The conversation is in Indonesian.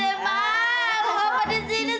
ilah lu ngapain di sini nak